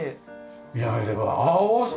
見上げれば青空！